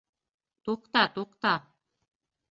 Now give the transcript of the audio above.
Туҡта, туҡта!